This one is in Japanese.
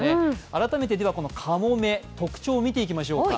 改めて、このかもめ、特徴を見ていきましょうか。